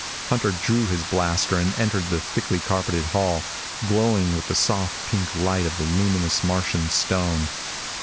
Hunter drew his blaster and entered the thickly carpeted hall, glowing with the soft, pink light of the luminous, Martian stone.